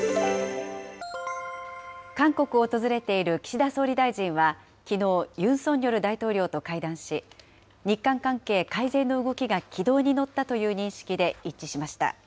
韓国を訪れている岸田総理大臣はきのう、ユン・ソンニョル大統領と会談し、日韓関係改善の動きが軌道に乗ったという認識で一致しました。